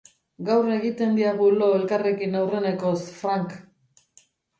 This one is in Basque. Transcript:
Gaur egiten diagu lo elkarrekin aurrenekoz, Frank.